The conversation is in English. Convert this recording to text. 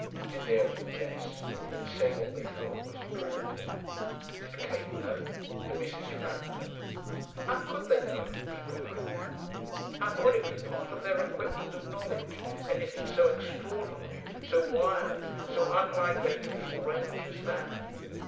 Did they only guess, and say what they thought was attractive? Did Kate know? And Mrs. Frampton? How could they know, people like that? How could it be part of their equipment of knowledge, anything so extraordinary, so wild, so unlike their usual range as that?